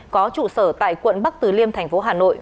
có trụ sở tại quận bắc từ liêm thành phố hà nội